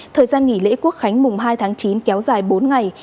thời gian nghỉ lễ quốc khánh mùng hai tháng chín kéo dài bốn ngày